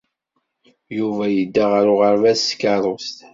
Yuba yedda ɣer uɣerbaz s tkeṛṛust.